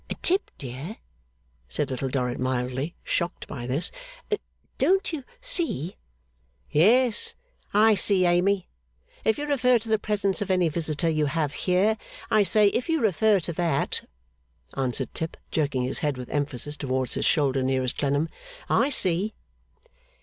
'Tip, dear,' said Little Dorrit, mildly, shocked by this, 'don't you see ' 'Yes, I see, Amy. If you refer to the presence of any visitor you have here I say, if you refer to that,' answered Tip, jerking his head with emphasis towards his shoulder nearest Clennam, 'I see!